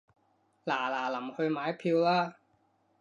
嗱嗱臨去買票啦